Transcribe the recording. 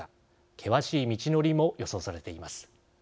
険しい道のりも予想されています。